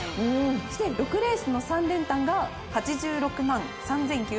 そして６レースの３連単が８６万３，９３０円と。